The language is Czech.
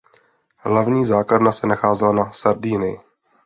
Hlavní základna se nacházela na Sardinii.